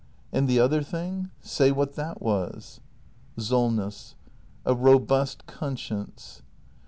] And the other thing ? Say what that was ! SOLNESS. A robust conscience.